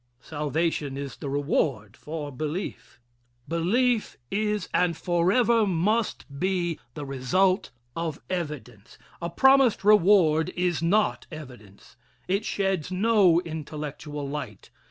Salvation is the reward for belief. Belief is, and forever must be, the result of evidence. A promised reward is not evidence. It sheds no intellectual light.